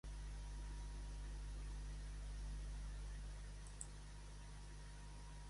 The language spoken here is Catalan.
La seva seu del comtat és David City.